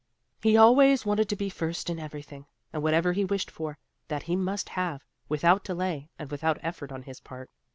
He always wanted to be first in everything, and whatever he wished for, that he must have, without delay and without effort on his part.